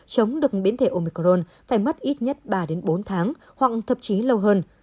chống được biến thể omicrone phải mất ít nhất ba bốn tháng hoặc thậm chí lâu hơn